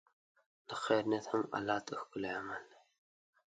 د خیر نیت هم الله ته ښکلی عمل دی.